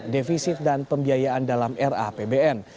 defisit dan pembiayaan dalam rapbn